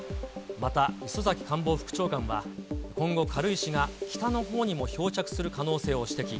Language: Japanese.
また礒崎官房副長官は、今後、軽石が北のほうにも漂着する可能性を指摘。